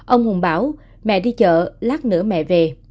ông hùng bảo mẹ đi chợ lát nửa mẹ về